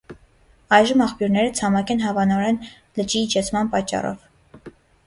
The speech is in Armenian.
Այժմ աղբյուրները ցամաք են հավանորեն լճի իջեցման պատճառով։